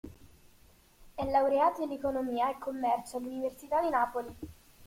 È laureato in Economia e Commercio all'Università di Napoli.